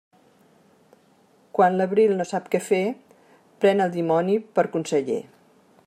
Quan l'abril no sap què fer, pren el dimoni per conseller.